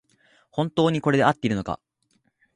本当にこれであっているのか